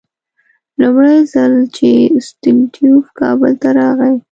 لومړی ځل چې ستولیتوف کابل ته راغی.